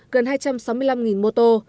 gần hai trăm sáu mươi năm mô tô